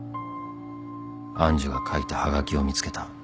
［愛珠が書いたはがきを見つけた］